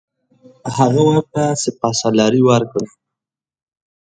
هغه ورته سپه سالاري ورکړه.